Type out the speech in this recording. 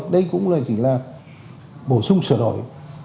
đây cũng chỉ là bổ sung sửa đổi